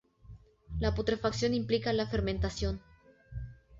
La putrefacción implica la fermentación.